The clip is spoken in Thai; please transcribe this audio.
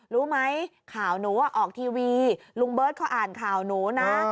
รู้ไหมข่าวหนูออกทีวีลุงเบิร์ตเขาอ่านข่าวหนูนะ